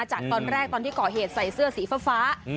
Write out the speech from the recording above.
จากตอนแรกตอนที่ก่อเหตุใส่เสื้อสีฟ้า